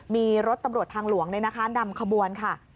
มีรถตำรวจทางหลวงนำขบวนค่ะ